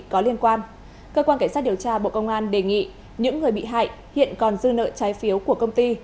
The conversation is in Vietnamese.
cơ quan cảnh sát điều tra bộ công an đề nghị những người bị hại hiện còn dư nợ trái phiếu của công ty